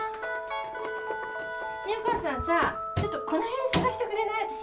ねえお母さんさちょっとこの辺捜してくれない？